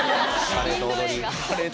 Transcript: カレーと踊り。